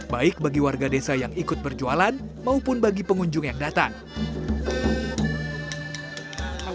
baik bagi warga desa yang ikut berjualan maupun bagi pengunjung yang datang